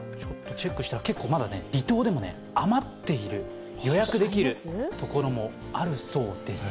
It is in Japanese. チェックしたら、まだ離島でも余っている、予約できるところもあるそうです。